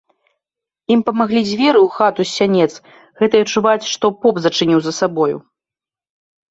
Ім памаглі дзверы ў хату з сянец, гэтыя чуваць, што поп зачыніў за сабою.